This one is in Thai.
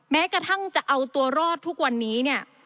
แม้กระทั่งจะเอาตัวรอดทุกวันนี้เนี่ย